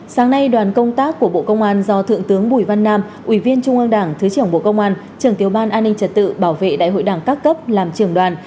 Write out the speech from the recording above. sáng nay đoàn công tác của bộ công an do thượng tướng bùi văn nam ủy viên trung ương đảng thứ trưởng bộ công an trường tiểu ban an ninh trật tự bảo vệ đại hội đảng các cấp làm trưởng đoàn